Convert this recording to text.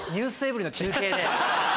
『ｎｅｗｓｅｖｅｒｙ．』の中継で。